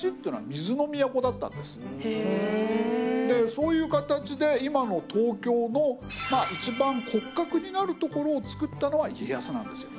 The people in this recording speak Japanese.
そういう形で今の東京の一番骨格になるところを造ったのは家康なんですよ。